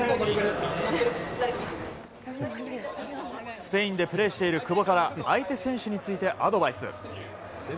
スペインでプレーしている久保から相手選手についてアドバイス。